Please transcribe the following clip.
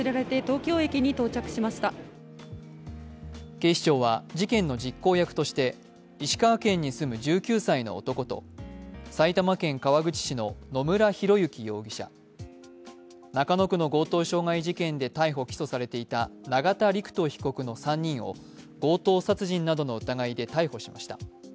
警視庁は事件の実行役として、石川県に住む１９歳の男と埼玉県川口市の野村広之容疑者、中野区の強盗傷害事件で逮捕・起訴されていた永田陸人被告の３人を強盗殺人などの疑いで逮捕しました。